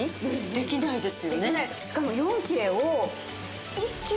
できないです。